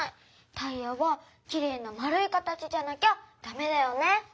タイヤはきれいなまるい形じゃなきゃダメだよね。